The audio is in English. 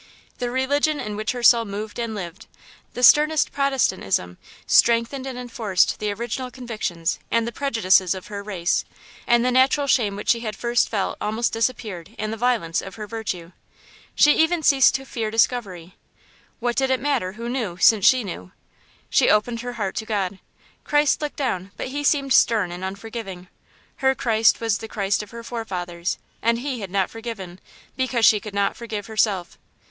The religion in which her soul moved and lived the sternest Protestantism strengthened and enforced the original convictions and the prejudices of her race; and the natural shame which she had first felt almost disappeared in the violence of her virtue. She even ceased to fear discovery. What did it matter who knew, since she knew? She opened her heart to God. Christ looked down, but he seemed stern and unforgiving. Her Christ was the Christ of her forefathers; and He had not forgiven, because she could not forgive herself.